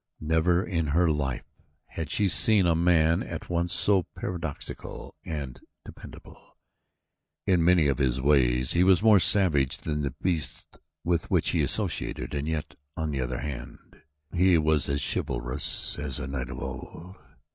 Never in her life had she seen a man at once so paradoxical and dependable. In many of his ways he was more savage than the beasts with which he associated and yet, on the other hand, he was as chivalrous as a knight of old.